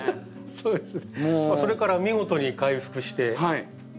そうですね。